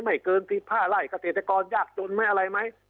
ไม่เกินที่ผ้าไล่เกษตรกรยากจนแม่อะไรไหม